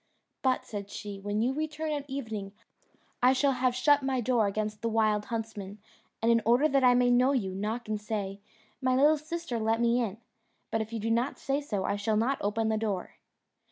"But," said she, "when you return at evening I shall have shut my door against the wild huntsmen, and in order that I may know you, knock and say, 'My little sister, let me in;' but if you do not say so, I shall not open the door."